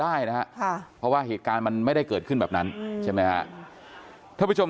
ได้นะเพราะว่าเหตุการณ์มันไม่ได้เกิดขึ้นแบบนั้นถ้าผู้ชม